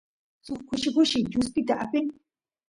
suk kushi kushi chuspita apin